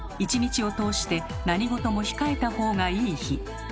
１日を通して何事も控えた方がいい日。